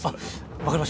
分かりました。